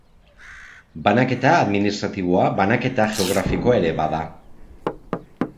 Banaketa administratiboa banaketa geografikoa ere bada.